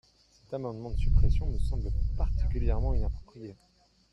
Cet amendement de suppression me semble particulièrement inapproprié.